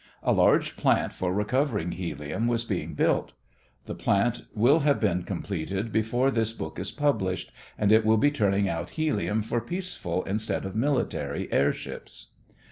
A large plant for recovering helium was being built. The plant will have been completed before this book is published, and it will be turning out helium for peaceful instead of military airships.